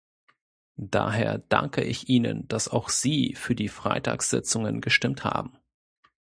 Daher danke ich Ihnen, dass auch Sie für die Freitagssitzungen gestimmt haben.